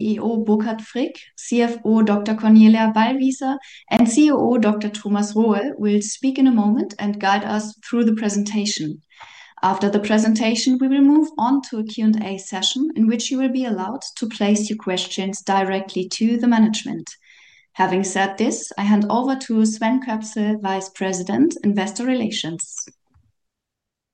CEO Burkhardt Frick, CFO Dr. Cornelia Ballwiesser, and COO Dr. Thomas Rohe will speak in a moment and guide us through the presentation. After the presentation, we will move on to a Q&A session in which you will be allowed to place your questions directly to the management. Having said this, I hand over to Sven Köpsel, Vice President, Investor Relations.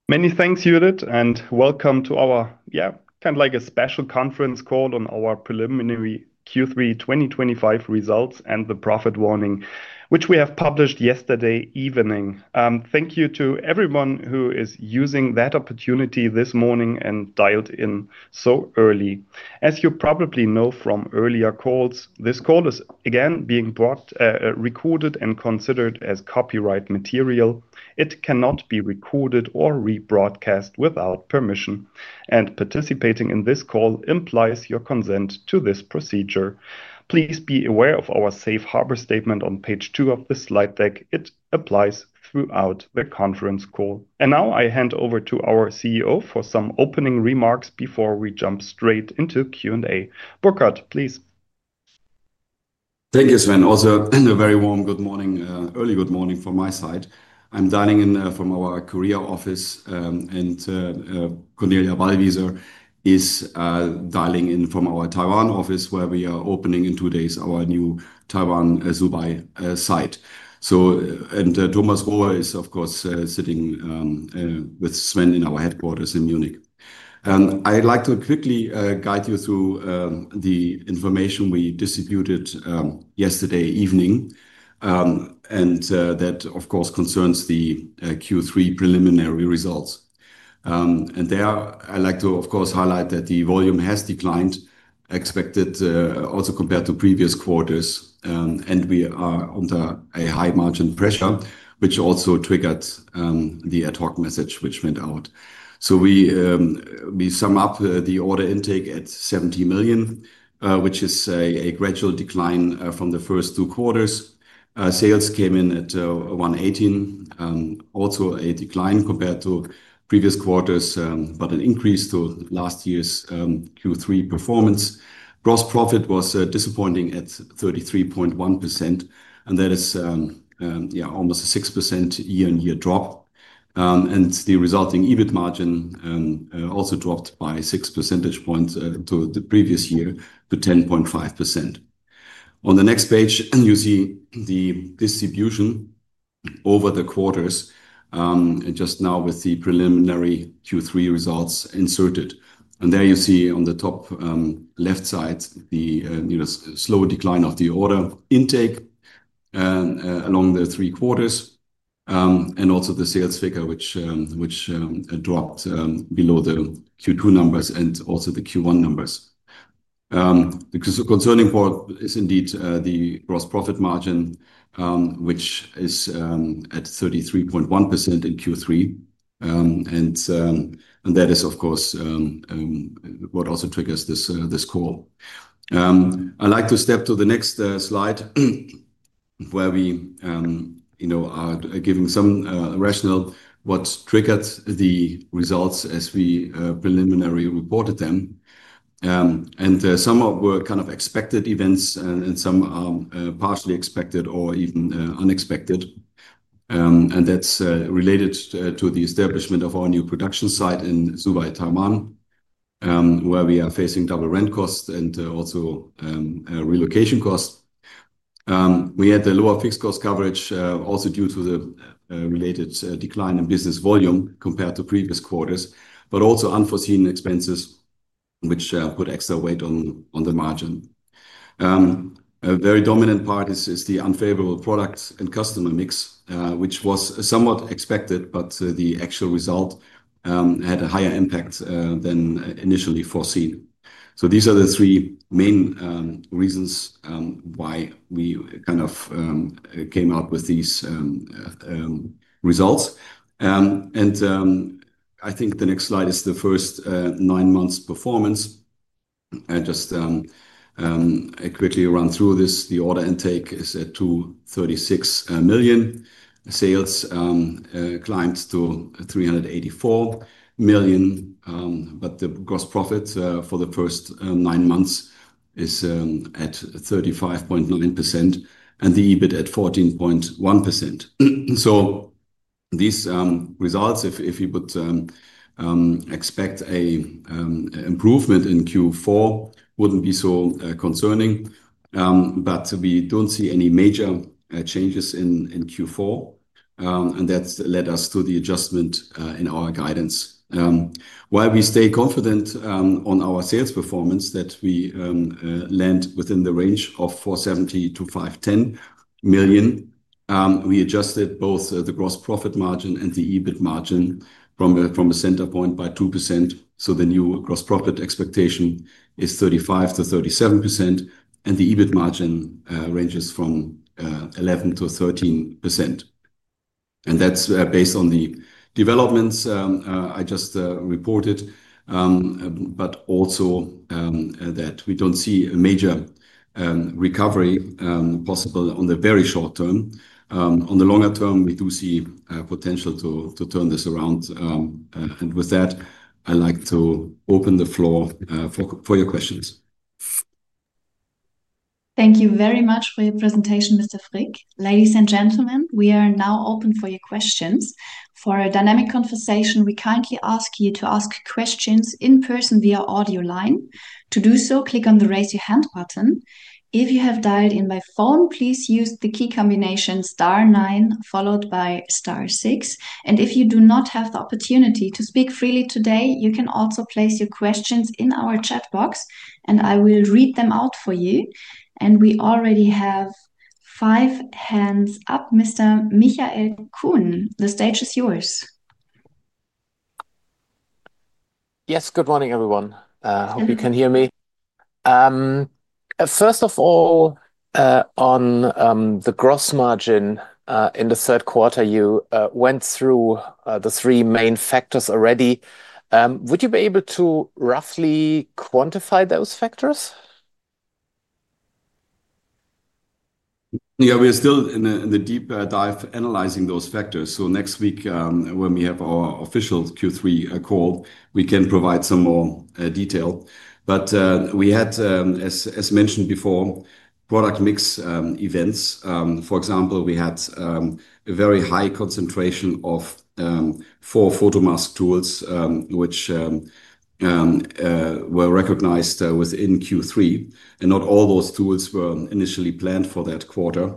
Many thanks, Judith, and welcome to our, yeah, kind of like a special conference call on our preliminary Q3 2025 results and the profit warning, which we have published yesterday evening. Thank you to everyone who is using that opportunity this morning and dialed in so early. As you probably know from earlier calls, this call is again being brought, recorded, and considered as copyright material. It cannot be recorded or rebroadcast without permission, and participating in this call implies your consent to this procedure. Please be aware of our safe harbor statement on page two of the slide deck. It applies throughout the conference call. Now I hand over to our CEO for some opening remarks before we jump straight into Q&A. Burkhardt, please. Thank you, Sven. Also, a very warm good morning, early good morning from my side. I'm dialing in from our Korea office, and Cornelia Ballwiesser is dialing in from our Taiwan office, where we are opening in two days our new Taiwan Zhubei site. Thomas Rohe is, of course, sitting with Sven in our headquarters in Munich. I'd like to quickly guide you through the information we distributed yesterday evening, and that, of course, concerns the Q3 preliminary results. There, I'd like to, of course, highlight that the volume has declined as expected also compared to previous quarters, and we are under a high margin pressure, which also triggered the ad hoc message which went out. We sum up the order intake at 70 million, which is a gradual decline from the first two quarters. Sales came in at 118 million, also a decline compared to previous quarters, but an increase to last year's Q3 performance. Gross profit was disappointing at 33.1%, and that is, yeah, almost a 6% year-on-year drop. The resulting EBIT margin also dropped by 6 percentage points to the previous year to 10.5%. On the next page, you see the distribution over the quarters, and just now with the preliminary Q3 results inserted. There you see on the top left side the slow decline of the order intake along the three quarters, and also the sales figure, which dropped below the Q2 numbers and also the Q1 numbers. The concerning part is indeed the gross profit margin, which is at 33.1% in Q3, and that is, of course, what also triggers this call. I'd like to step to the next slide where we are giving some rationale what triggered the results as we preliminarily reported them. Some were kind of expected events, and some are partially expected or even unexpected. That is related to the establishment of our new production site in Zhubei, Taiwan, where we are facing double rent costs and also relocation costs. We had the lower fixed cost coverage also due to the related decline in business volume compared to previous quarters, but also unforeseen expenses, which put extra weight on the margin. A very dominant part is the unfavorable product and customer mix, which was somewhat expected, but the actual result had a higher impact than initially foreseen. These are the three main reasons why we kind of came out with these results. I think the next slide is the first nine months' performance. I just quickly run through this. The order intake is at 236 million. Sales climbed to 384 million, but the gross profit for the first nine months is at 35.9% and the EBIT at 14.1%. If you would expect an improvement in Q4, these results wouldn't be so concerning. We don't see any major changes in Q4, and that led us to the adjustment in our guidance. While we stay confident on our sales performance that we land within the range of 470 million-510 million, we adjusted both the gross profit margin and the EBIT margin from a center point by 2%. The new gross profit expectation is 35%-37%, and the EBIT margin ranges from 11%-13%. That's based on the developments I just reported, but also that we don't see a major recovery possible in the very short term. In the longer term, we do see potential to turn this around. With that, I'd like to open the floor for your questions. Thank you very much for your presentation, Mr. Frick. Ladies and gentlemen, we are now open for your questions. For a dynamic conversation, we kindly ask you to ask questions in person via audio line. To do so, click on the raise your hand button. If you have dialed in by phone, please use the key combination star nine followed by star six. If you do not have the opportunity to speak freely today, you can also place your questions in our chat box, and I will read them out for you. We already have five hands up. Mr. Michael Kuhn, the stage is yours. Yes, good morning, everyone. I hope you can hear me. First of all, on the gross margin in the third quarter, you went through the three main factors already. Would you be able to roughly quantify those factors? Yeah, we're still in the deep dive analyzing those factors. Next week, when we have our official Q3 call, we can provide some more detail. We had, as mentioned before, product mix events. For example, we had a very high concentration of four photomask tools, which were recognized within Q3. Not all those tools were initially planned for that quarter.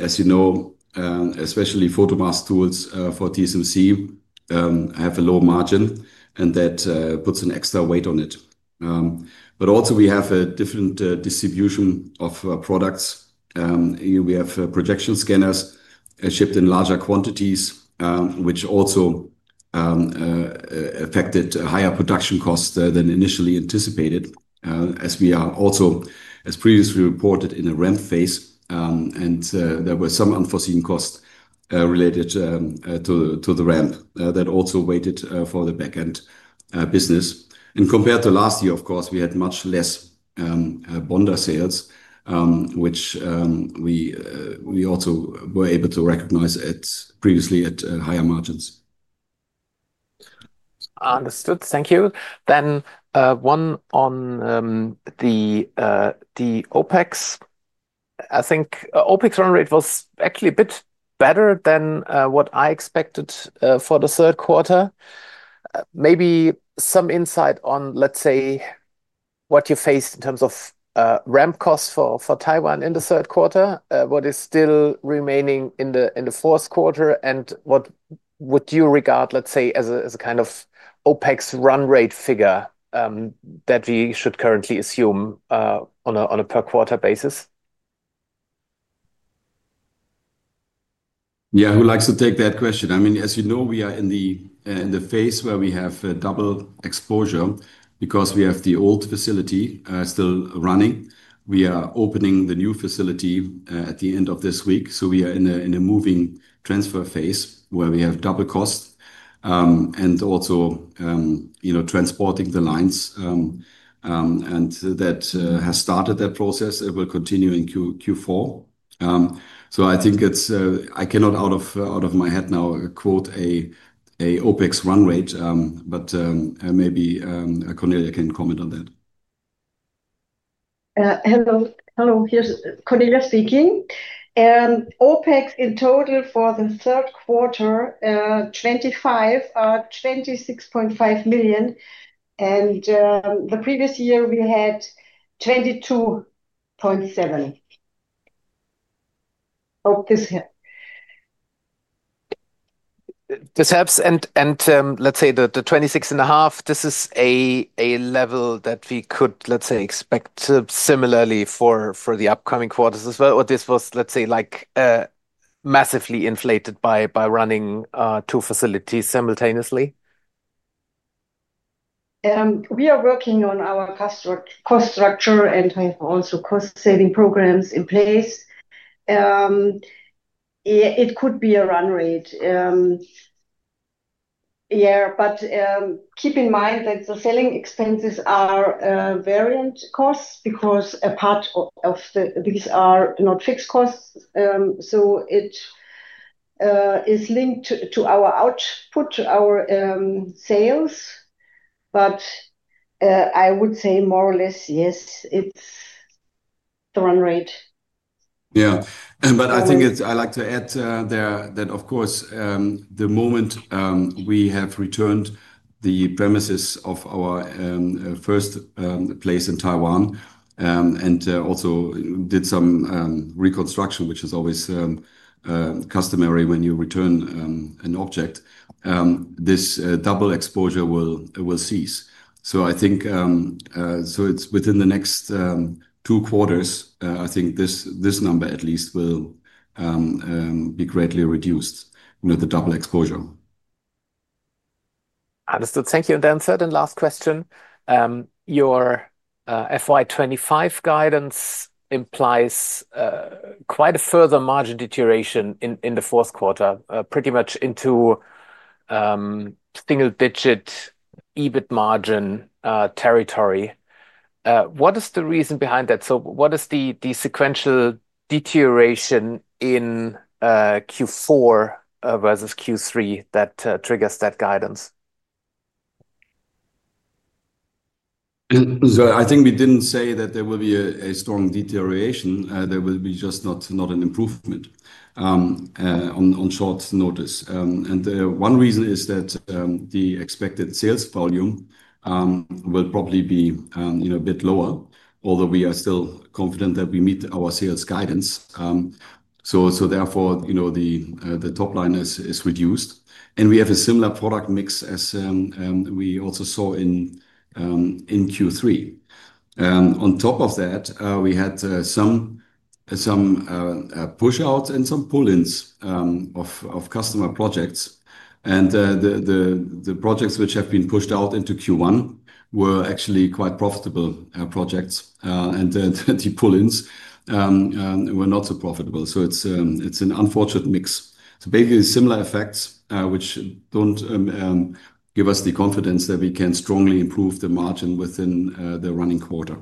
As you know, especially photomask tools for TSMC have a low margin, and that puts an extra weight on it. We also have a different distribution of products. We have projection scanners shipped in larger quantities, which also affected higher production costs than initially anticipated, as we are also, as previously reported, in a ramp phase. There were some unforeseen costs related to the ramp that also waited for the backend business. Compared to last year, of course, we had much less bonded sales, which we also were able to recognize previously at higher margins. Understood. Thank you. One on the OpEx. I think OpEx run rate was actually a bit better than what I expected for the third quarter. Maybe some insight on what you faced in terms of ramp costs for Taiwan in the third quarter, what is still remaining in the fourth quarter, and what would you regard as a kind of OpEx run rate figure that we should currently assume on a per quarter basis? Yeah, who likes to take that question? I mean, as you know, we are in the phase where we have double exposure because we have the old facility still running. We are opening the new facility at the end of this week. We are in a moving transfer phase where we have double cost and also transporting the lines. That has started that process. It will continue in Q4. I think it's, I cannot out of my head now quote an OpEx run rate, but maybe Cornelia can comment on that. Hello. Here's Cornelia speaking. OpEx in total for the third quarter, 26.5 million. In the previous year, we had 22.7 million. This helps. Let's say the 26.5 million, this is a level that we could, let's say, expect similarly for the upcoming quarters as well? Or this was, let's say, like massively inflated by running two facilities simultaneously? We are working on our cost structure, and we have also cost-saving programs in place. It could be a run rate. Yeah, but keep in mind that the selling expenses are variant costs because a part of these are not fixed costs. It is linked to our output, our sales. I would say more or less, yes, it's the run rate. I think I'd like to add there that, of course, the moment we have returned the premises of our first place in Taiwan and also did some reconstruction, which is always customary when you return an object, this double rent will cease. I think it's within the next two quarters, this number at least will be greatly reduced, the double rent. Understood. Thank you. Third and last question, your FY 2025 guidance implies quite a further margin deterioration in the fourth quarter, pretty much into single-digit EBIT margin territory. What is the reason behind that? What is the sequential deterioration in Q4 versus Q3 that triggers that guidance? I think we didn't say that there will be a strong deterioration. There will be just not an improvement on short notice. One reason is that the expected sales volume will probably be a bit lower, although we are still confident that we meet our sales guidance. Therefore, the top line is reduced. We have a similar product mix as we also saw in Q3. On top of that, we had some push-outs and some pull-ins of customer projects. The projects which have been pushed out into Q1 were actually quite profitable projects, and the pull-ins were not so profitable. It's an unfortunate mix. Basically, similar effects don't give us the confidence that we can strongly improve the margin within the running quarter.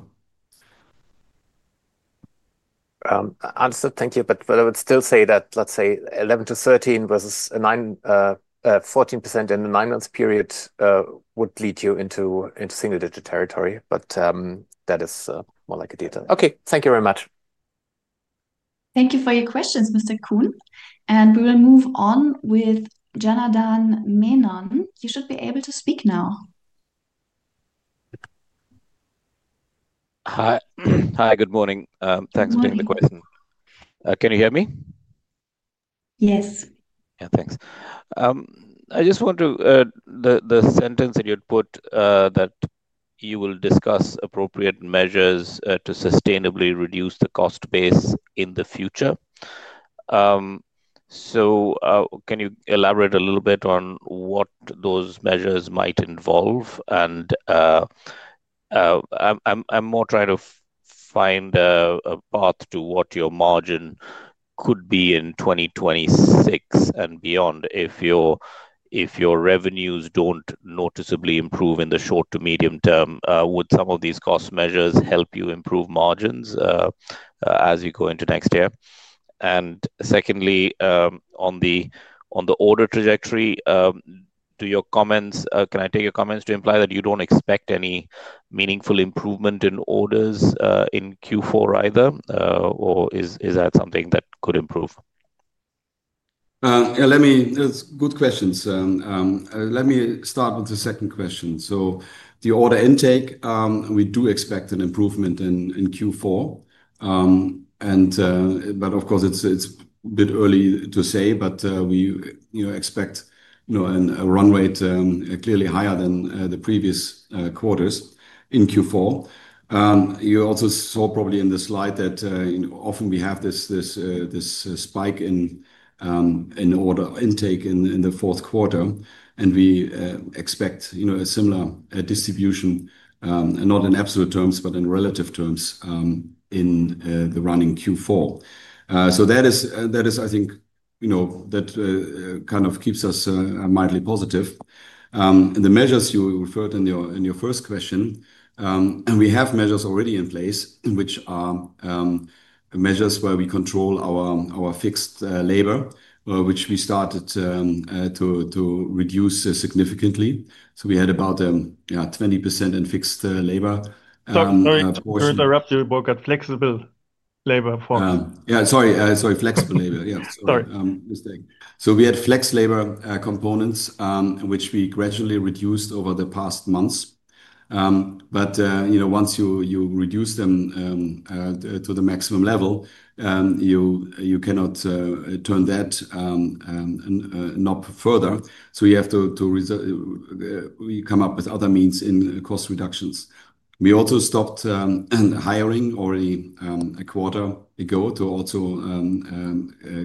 Understood. Thank you. I would still say that, let's say, 11%-13% versus 14% in a nine-month period would lead you into single-digit territory, but that is more like a data. Okay. Thank you very much. Thank you for your questions, Mr. Kuhn. We will move on with [Gennadan Menon]. You should be able to speak now. Hi. Good morning. Thanks for taking the question. Can you hear me? Yes. Yeah, thanks. I just want to touch on the sentence that you put that you will discuss appropriate measures to sustainably reduce the cost base in the future. Can you elaborate a little bit on what those measures might involve? I'm more trying to find a path to what your margin could be in 2026 and beyond. If your revenues don't noticeably improve in the short to medium term, would some of these cost measures help you improve margins as you go into next year? Secondly, on the order trajectory, can I take your comments to imply that you don't expect any meaningful improvement in orders in Q4 either, or is that something that could improve? Yeah, that's good questions. Let me start with the second question. The order intake, we do expect an improvement in Q4. Of course, it's a bit early to say, but we expect a run rate clearly higher than the previous quarters in Q4. You also saw probably in the slide that often we have this spike in order intake in the fourth quarter, and we expect a similar distribution, not in absolute terms, but in relative terms in the running Q4. That is, I think, you know, that kind of keeps us mildly positive. The measures you referred to in your first question, we have measures already in place, which are measures where we control our fixed labor, which we started to reduce significantly. We had about 20% in fixed labor. Sorry. Further up to your book, a flexible labor form. Sorry, flexible labor. Yeah. Sorry. We had flex labor components, which we gradually reduced over the past months. Once you reduce them to the maximum level, you cannot turn that knob further. You have to come up with other means in cost reductions. We also stopped hiring already a quarter ago to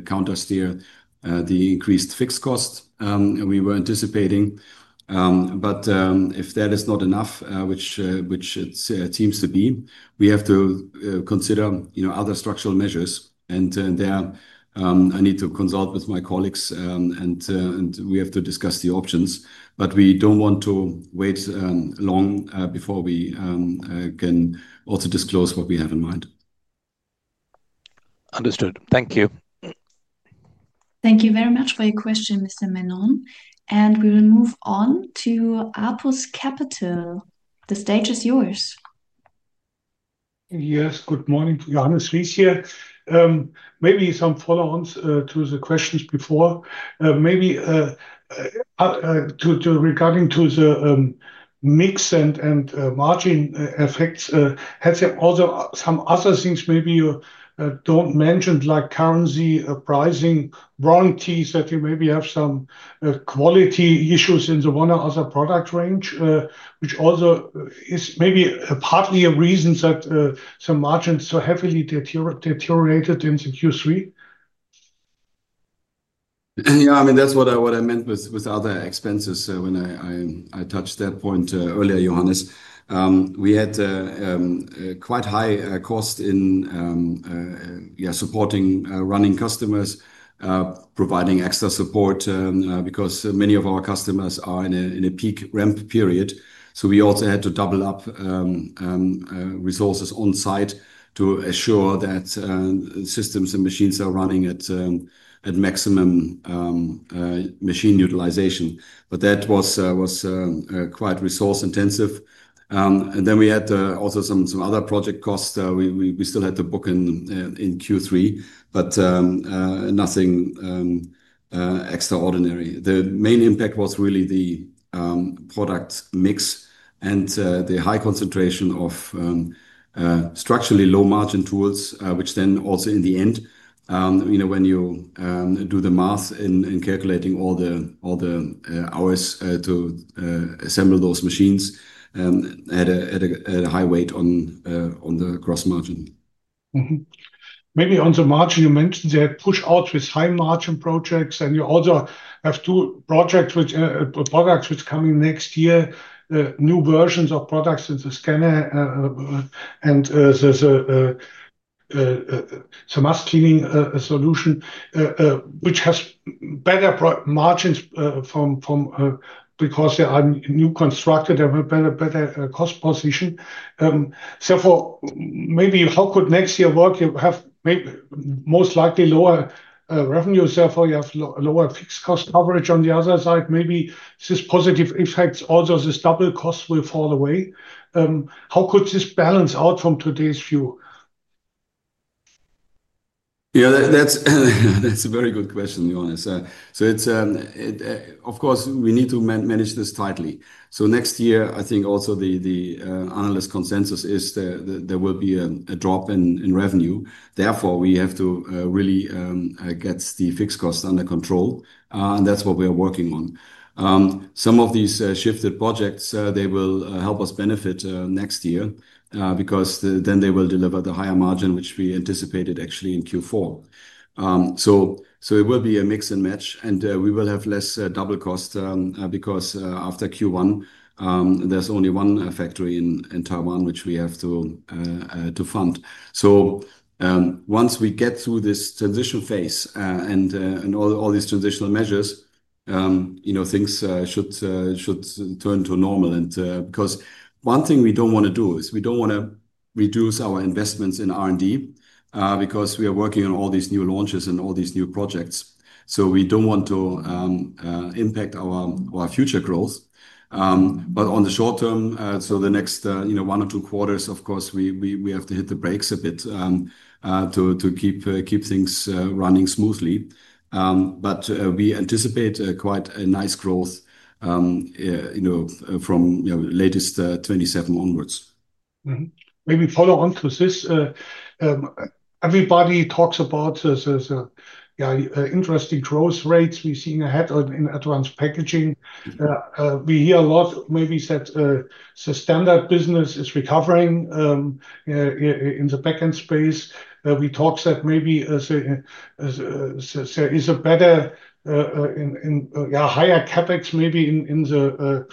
countersteer the increased fixed cost we were anticipating. If that is not enough, which it seems to be, we have to consider other structural measures. I need to consult with my colleagues, and we have to discuss the options. We do not want to wait long before we can also disclose what we have in mind. Understood. Thank you. Thank you very much for your question, Mr. [Menon]. We will move on to APUS Capital. The stage is yours. Yes. Good morning to you. Johannes Reis here. Maybe some follow-ons to the questions before. Maybe regarding the mix and margin effects, had there also some other things maybe you don't mention, like currency, pricing, warranties, that you maybe have some quality issues in the one or other product range, which also is maybe partly a reason that some margins so heavily deteriorated in Q3? Yeah, I mean, that's what I meant with other expenses when I touched that point earlier, Johannes. We had quite high cost in supporting running customers, providing extra support because many of our customers are in a peak ramp period. We also had to double up resources on-site to assure that systems and machines are running at maximum machine utilization. That was quite resource-intensive. We had also some other project costs we still had to book in Q3, but nothing extraordinary. The main impact was really the product mix and the high concentration of structurally low-margin tools, which then also, in the end, you know, when you do the math in calculating all the hours to assemble those machines, had a high weight on the gross margin. Maybe on the margin, you mentioned you had push-outs with high-margin projects, and you also have two projects which are coming next year, new versions of products with the scanner and the mask cleaning solution, which has better margins because they are new constructed and have a better cost position. For maybe how could next year work? You have maybe most likely lower revenues. Therefore, you have lower fixed cost coverage on the other side. Maybe this positive effect also this double cost will fall away. How could this balance out from today's view? Yeah, that's a very good question, Johannes. It's, of course, we need to manage this tightly. Next year, I think also the analyst consensus is there will be a drop in revenue. Therefore, we have to really get the fixed costs under control, and that's what we are working on. Some of these shifted projects will help us benefit next year because then they will deliver the higher margin, which we anticipated actually in Q4. It will be a mix and match, and we will have less double cost because after Q1, there's only one factory in Taiwan, which we have to fund. Once we get through this transition phase and all these transitional measures, things should turn to normal. One thing we don't want to do is we don't want to reduce our investments in R&D because we are working on all these new launches and all these new projects. We don't want to impact our future growth. On the short term, the next one or two quarters, of course, we have to hit the brakes a bit to keep things running smoothly. We anticipate quite a nice growth from the latest 2027 onwards. Maybe follow on to this. Everybody talks about, yeah, interesting growth rates we've seen ahead in advanced packaging. We hear a lot maybe that the standard business is recovering in the backend space. We talk that maybe there is a better, yeah, higher CapEx maybe in the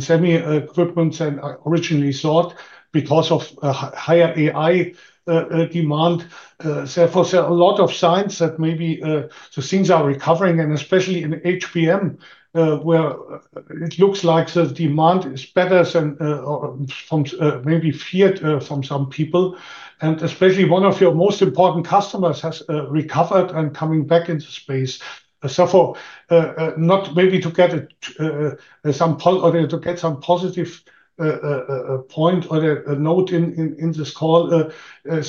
semi-equipment than originally thought because of higher AI demand. There are a lot of signs that maybe things are recovering, especially in HBM, where it looks like the demand is better than maybe feared from some people. Especially one of your most important customers has recovered and is coming back into the space. For not maybe to get some positive point or a note in this call, do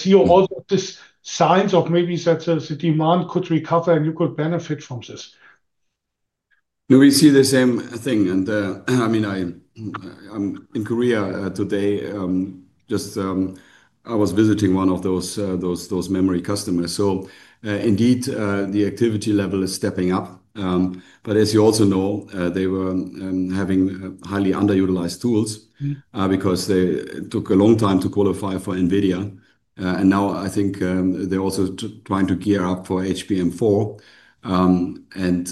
you also see these signs of maybe that the demand could recover and you could benefit from this. We see the same thing. I mean, I'm in Korea today. I was visiting one of those memory customers. Indeed, the activity level is stepping up. As you also know, they were having highly underutilized tools because they took a long time to qualify for NVIDIA. Now I think they're also trying to gear up for HBM4, and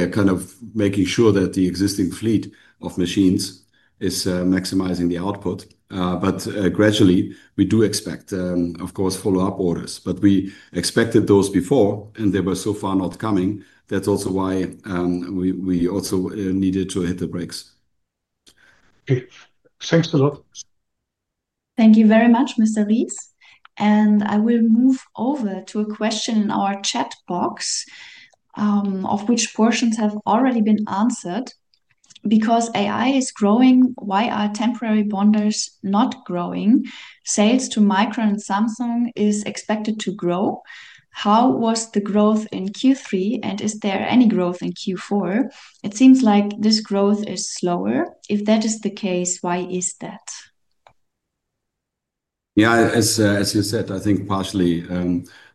they are making sure that the existing fleet of machines is maximizing the output. Gradually, we do expect, of course, follow-up orders. We expected those before, and they were so far not coming. That's also why we needed to hit the brakes. Okay, thanks a lot. Thank you very much, Mr. Reis. I will move over to a question in our chat box, of which portions have already been answered. Because AI is growing, why are temporary bonders not growing? Sales to Micron and Samsung is expected to grow. How was the growth in Q3, and is there any growth in Q4? It seems like this growth is slower. If that is the case, why is that? Yeah, as you said, I think partially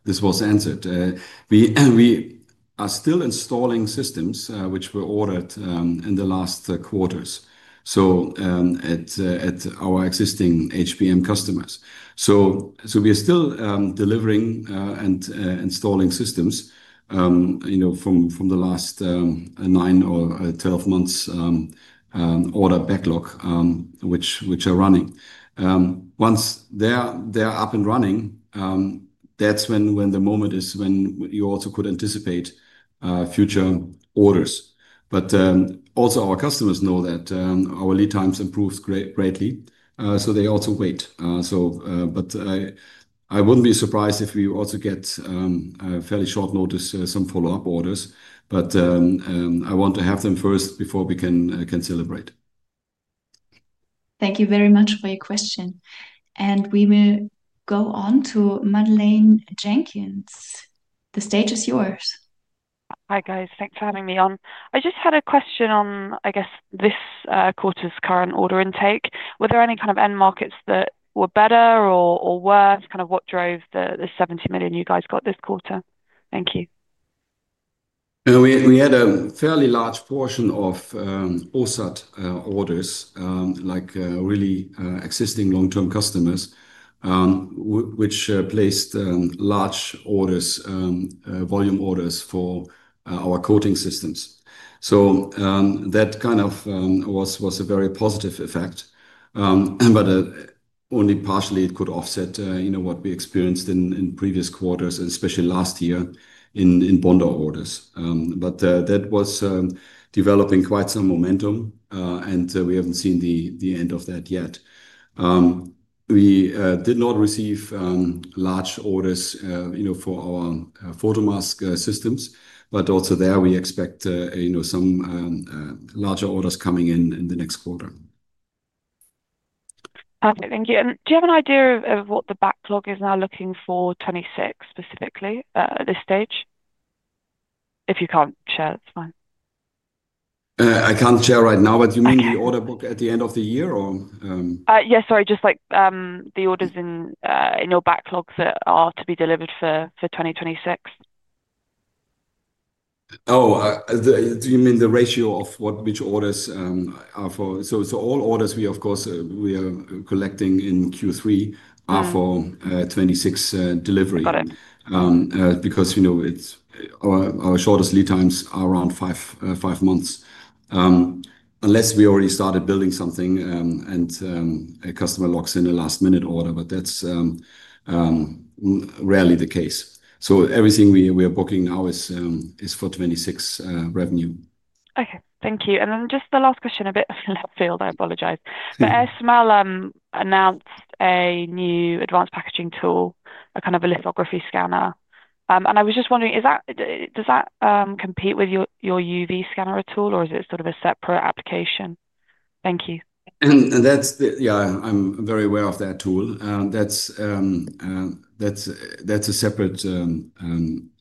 this was answered. We are still installing systems which were ordered in the last quarters. We are still delivering and installing systems from the last 9 months or 12 months' order backlog, which are running. Once they're up and running, that's when the moment is when you also could anticipate future orders. Our customers know that our lead times improved greatly, so they also wait. I wouldn't be surprised if we also get fairly short notice some follow-up orders. I want to have them first before we can celebrate. Thank you very much for your question. We will go on to Madeleine Jenkins. The stage is yours. Hi, guys. Thanks for having me on. I just had a question on, I guess, this quarter's current order intake. Were there any kind of end markets that were better or worse? What drove the 70 million you guys got this quarter? Thank you. We had a fairly large portion of orders from existing long-term customers, which placed large volume orders for our coating systems. That was a very positive effect. Only partially, it could offset what we experienced in previous quarters, and especially last year in bond orders. That was developing quite some momentum, and we haven't seen the end of that yet. We did not receive large orders for our photomask equipment, but also there, we expect some larger orders coming in in the next quarter. Perfect. Thank you. Do you have an idea of what the backlog is now looking for 2026 specifically at this stage? If you can't share, that's fine. I can't share right now, but you mean the order book at the end of the year? Sorry. Just like the orders in your backlogs that are to be delivered for 2026. Do you mean the ratio of which orders are for? All orders we, of course, are collecting in Q3 are for 2026 delivery. Got it. Because you know our shortest lead times are around five months, unless we already started building something and a customer locks in a last-minute order, but that's rarely the case. Everything we are booking now is for 2026 revenue. Okay. Thank you. Just the last question, a bit left field. I apologize. ASML announced a new advanced packaging tool, a kind of a lithography scanner. I was just wondering, does that compete with your UV projection scanner at all, or is it sort of a separate application? Thank you. I'm very aware of that tool. That's a separate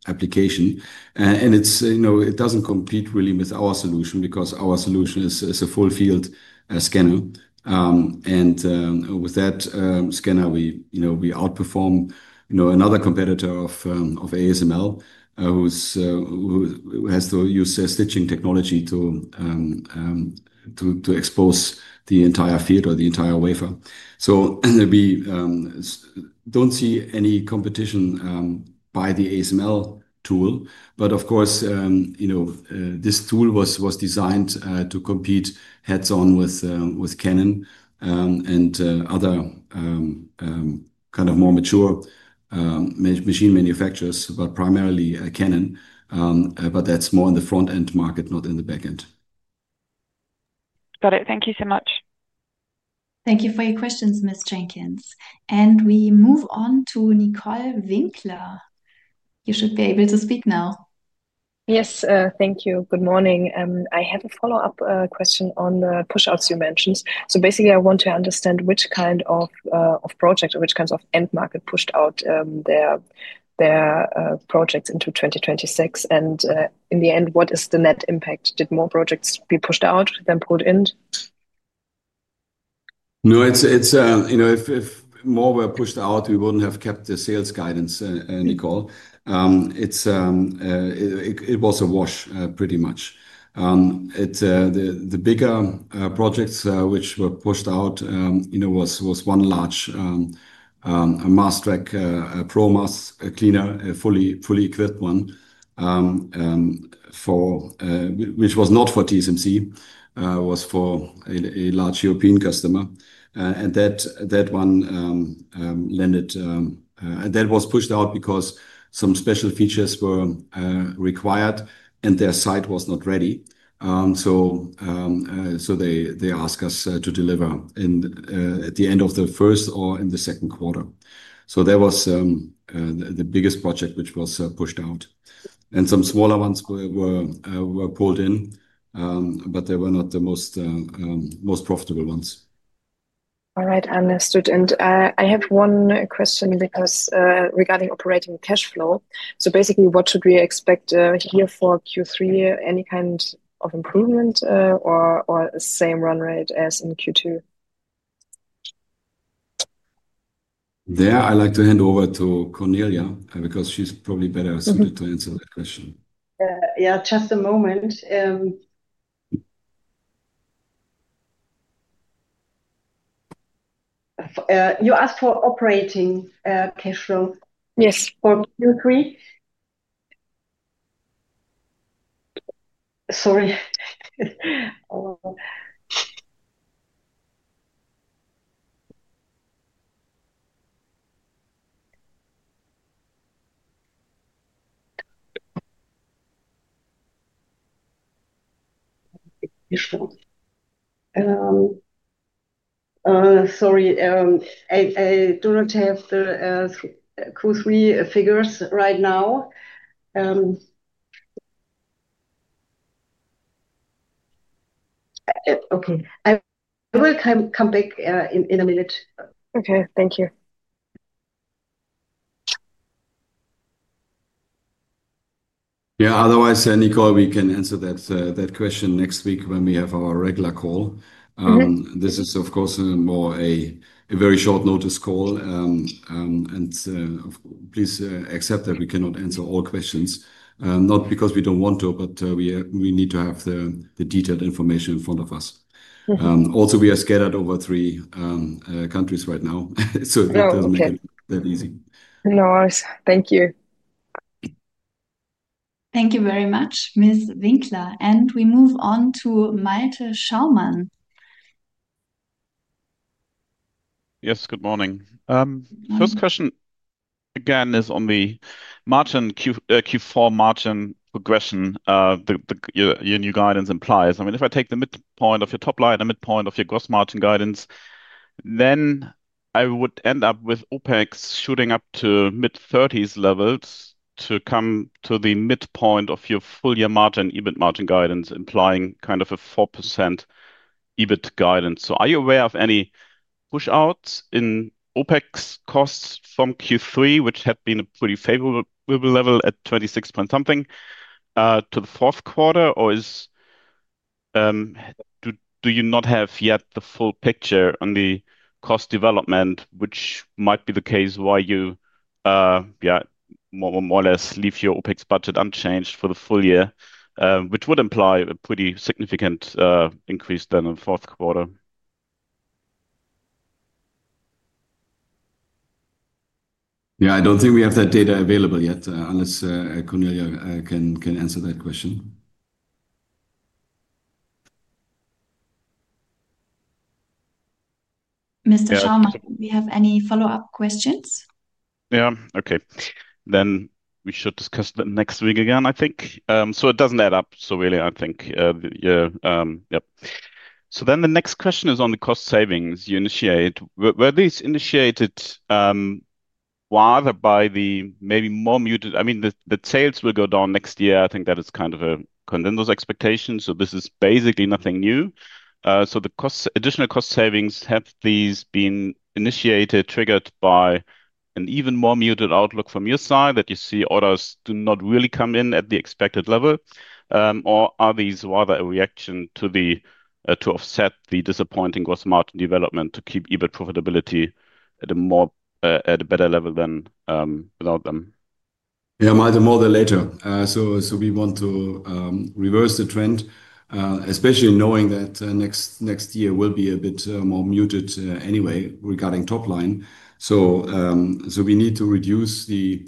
application. It doesn't compete really with our solution because our solution is a full-field scanner. With that scanner, we outperform another competitor of ASML, who has to use stitching technology to expose the entire field or the entire wafer. We don't see any competition by the ASML tool. Of course, you know this tool was designed to compete head-on with Canon and other kind of more mature machine manufacturers, but primarily Canon. That's more in the front-end market, not in the backend. Got it. Thank you so much. Thank you for your questions, Ms. Jenkins. We move on to Nicole Winkler. You should be able to speak now. Yes. Thank you. Good morning. I have a follow-up question on the push-outs you mentioned. I want to understand which kind of project or which kinds of end market pushed out their projects into 2026. In the end, what is the net impact? Did more projects be pushed out than pulled in? No, it's, you know, if more were pushed out, we wouldn't have kept the sales guidance, Nicole. It was a wash, pretty much. The bigger projects which were pushed out, you know, was one large MaskTrack Pro mask cleaner, a fully equipped one, which was not for TSMC, was for a large European customer. That one landed, and that was pushed out because some special features were required and their site was not ready. They asked us to deliver at the end of the first or in the second quarter. That was the biggest project which was pushed out. Some smaller ones were pulled in, but they were not the most profitable ones. All right. Understood. I have one question regarding operating cash flow. What should we expect here for Q3? Any kind of improvement or the same run rate as in Q2? There, I'd like to hand over to Cornelia because she's probably better suited to answer that question. Just a moment. You asked for operating cash flow? Yes. For Q3? Sorry. I do not have the Q3 figures right now. I will come back in a minute. Okay, thank you. Yeah. Otherwise, Nicole, we can answer that question next week when we have our regular call. This is, of course, more a very short-notice call. Please accept that we cannot answer all questions, not because we don't want to, but we need to have the detailed information in front of us. Also, we are scattered over three countries right now. That doesn't make it that easy. No worries. Thank you. Thank you very much, Ms. Winkler. We move on to Malte Schaumann. Yes. Good morning. First question, again, is on the Q4 margin progression your new guidance implies. I mean, if I take the midpoint of your top line and the midpoint of your gross margin guidance, then I would end up with OpEx shooting up to mid-30% levels to come to the midpoint of your full-year EBIT margin guidance, implying kind of a 4% EBIT guidance. Are you aware of any push-outs in OpEx costs from Q3, which had been a pretty favorable level at 26% to the fourth quarter? Do you not have yet the full picture on the cost development, which might be the case why you more or less leave your OpEx budget unchanged for the full year, which would imply a pretty significant increase in the fourth quarter? I don't think we have that data available yet, unless Cornelia can answer that question. Mr. Schaumann, do you have any follow-up questions? Okay. We should discuss that next week again, I think. It doesn't add up. I think, yeah. The next question is on the cost savings you initiated. Were these initiated rather by the maybe more muted, I mean, the sales will go down next year. I think that is kind of a condensed expectation. This is basically nothing new. The additional cost savings, have these been initiated, triggered by an even more muted outlook from your side that you see orders do not really come in at the expected level, or are these rather a reaction to offset the disappointing gross margin development to keep EBIT profitability at a better level than without them? More the latter. We want to reverse the trend, especially knowing that next year will be a bit more muted anyway regarding top line. We need to reduce the,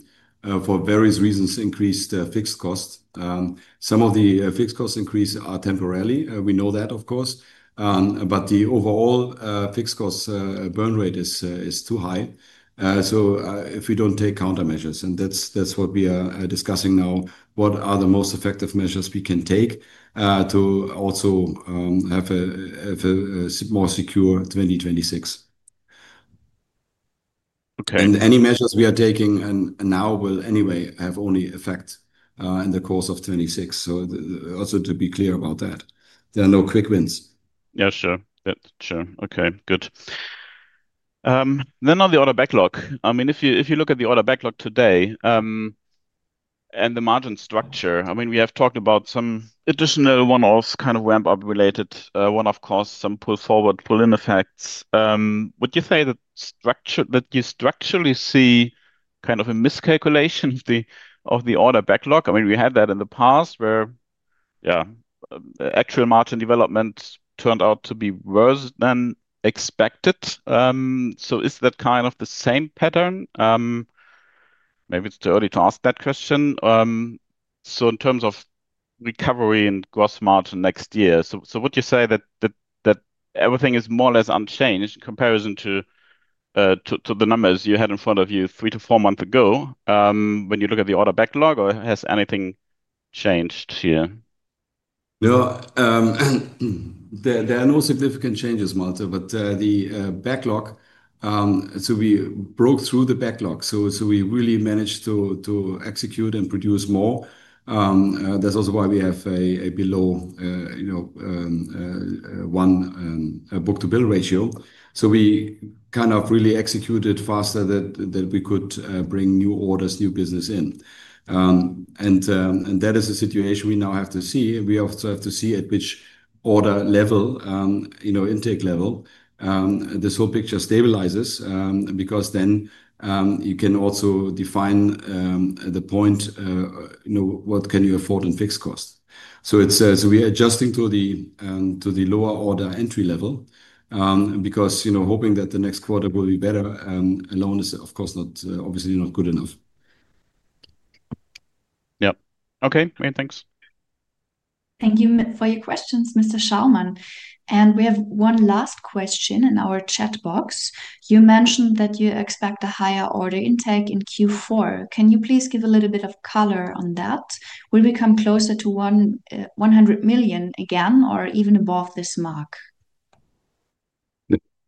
for various reasons, increased fixed cost. Some of the fixed cost increases are temporary. We know that, of course. The overall fixed cost burn rate is too high. If we don't take countermeasures, and that's what we are discussing now, what are the most effective measures we can take to also have a more secure 2026? Any measures we are taking now will anyway have only effect in the course of 2026. To be clear about that, there are no quick wins. Okay. Good. On the order backlog, if you look at the order backlog today and the margin structure, we have talked about some additional one-off kind of ramp-up related one-off costs, some pull-forward, pull-in effects. Would you say that you structurally see kind of a miscalculation of the order backlog? We had that in the past where actual margin development turned out to be worse than expected. Is that kind of the same pattern? Maybe it's too early to ask that question. In terms of recovery in gross margin next year, would you say that everything is more or less unchanged in comparison to the numbers you had in front of you three to four months ago when you look at the order backlog, or has anything changed here? There are no significant changes, Malte, but the backlog, we broke through the backlog. We really managed to execute and produce more. That's also why we have a below one book-to-bill ratio. We really executed faster that we could bring new orders, new business in. That is a situation we now have to see. We also have to see at which order level, you know, intake level, this whole picture stabilizes because then you can also define at the point, you know, what can you afford in fixed cost. We are adjusting to the lower order entry level because hoping that the next quarter will be better alone is, of course, obviously not good enough. Yeah. Okay. Great. Thanks. Thank you for your questions, Mr. Schaumann. We have one last question in our chat box. You mentioned that you expect a higher order intake in Q4. Can you please give a little bit of color on that? Will we come closer to 100 million again or even above this mark?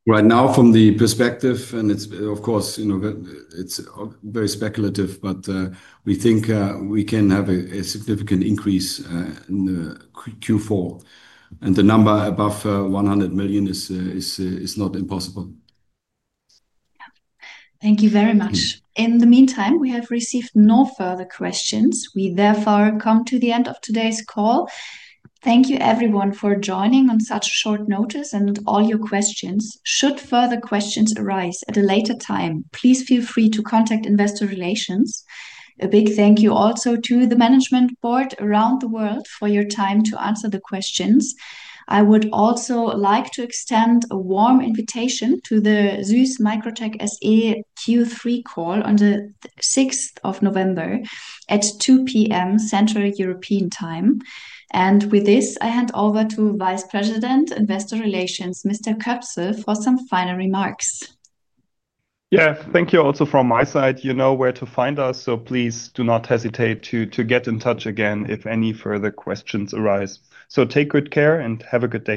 Right now, from the perspective, it's very speculative, but we think we can have a significant increase in Q4. The number above 100 million is not impossible. Thank you very much. In the meantime, we have received no further questions. We therefore come to the end of today's call. Thank you, everyone, for joining on such short notice and all your questions. Should further questions arise at a later time, please feel free to contact Investor Relations. A big thank you also to the Management Board around the world for your time to answer the questions. I would also like to extend a warm invitation to the SUSS MicroTec SE Q3 call on the 6th of November at 2:00 P.M. Central European Time. With this, I hand over to Vice President, Investor Relations, Mr. Köpsel, for some final remarks. Yes. Thank you. Also, from my side, you know where to find us. Please do not hesitate to get in touch again if any further questions arise. Take good care and have a good day.